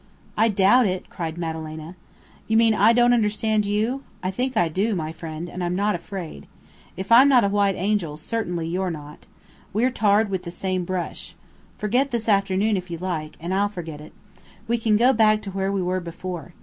"I doubt it!" cried Madalena. "You mean I don't understand you? I think I do, my friend. And I'm not afraid. If I'm not a white angel, certainly you're not. We're tarred with the same brush. Forget this afternoon, if you like, and I'll forget it. We can go back to where we were before.